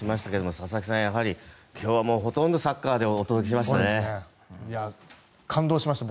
佐々木さん、今日はほとんどサッカーでお届けしましたね。